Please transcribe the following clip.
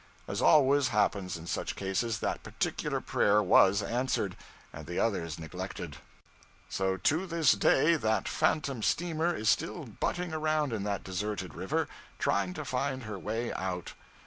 As always happens in such cases, that particular prayer was answered, and the others neglected. So to this day that phantom steamer is still butting around in that deserted river, trying to find her way out.